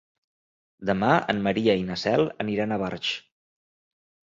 Demà en Maria i na Cel aniran a Barx.